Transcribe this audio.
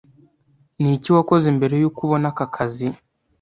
Niki wakoze mbere yuko ubona aka kazi?